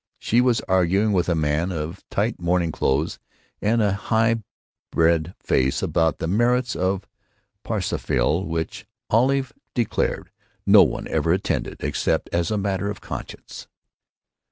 She was arguing with a man of tight morning clothes and a high bred face about the merits of "Parsifal," which, Olive declared, no one ever attended except as a matter of conscience.